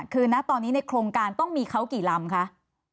คือในโครงการต้องมีเข้ากี่ลำ